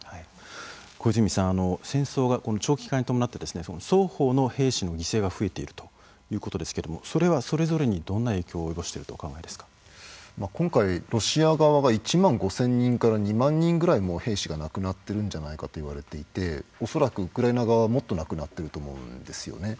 小泉さん戦争の長期化に伴って双方の兵士の犠牲が増えているということですけどそれは、それぞれにどんな影響を及ぼしていると今回、ロシア側が１万５０００人から２万人ぐらい兵士が亡くなっているんじゃないかといわれていて恐らく、ウクライナ側はもっと亡くなっていると思うんですよね。